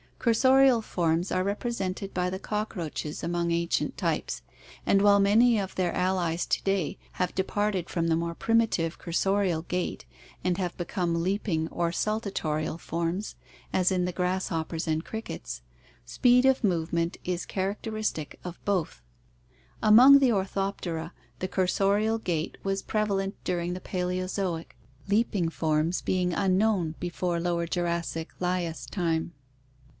— Cursorial forms are represented by the cockroaches among ancient types, and while many of their allies to day have departed from the more primitive cursorial gait and have become leaping or saltatorial forms, as in the grasshop pers and crickets, speed of movement is character istic of both. Among the Orthoptera the cursorial gait was prevalent during the Paleozoic, leaping forms being unknown before Lower Jurassic (Lias) time.